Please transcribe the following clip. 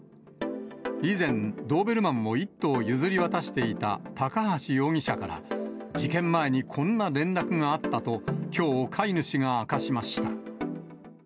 以前、ドーベルマンを１頭譲り渡していた高橋容疑者から、事件前にこんな連絡があったと、きょう飼い主が明かしました。